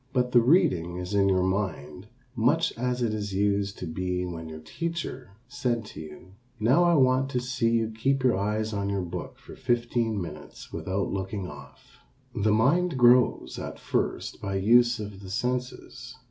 But the reading is in your mind much as it used to be when your teacher said to you, "Now I want to see you keep your eyes on your book for fifteen minutes without looking off." The mind grows at first by use of the senses.